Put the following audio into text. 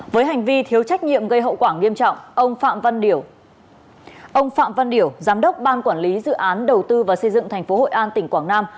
với hành vi thiếu trách nhiệm gây hậu quảng nghiêm trọng ông phạm văn điểu giám đốc ban quản lý dự án đầu tư và xây dựng thành phố hội an tỉnh quảng nam